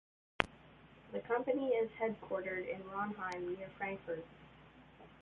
The company is headquartered in Raunheim near Frankfurt.